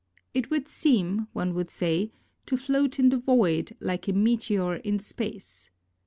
It would seem, one would say, to float in the void, like a meteor in space.